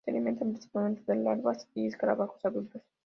Se alimenta principalmente de larvas y escarabajos adultos.